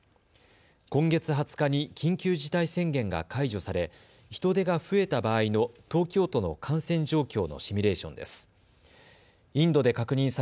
今月２０日に緊急事態宣言が解除され人出が増えた場合の東京都の感染状況のシミュレーションです。